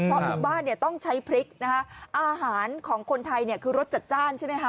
เพราะทุกบ้านเนี่ยต้องใช้พริกนะคะอาหารของคนไทยเนี่ยคือรสจัดจ้านใช่ไหมคะ